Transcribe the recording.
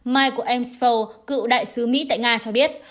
michael amsfo cựu đại sứ mỹ tại nga cho biết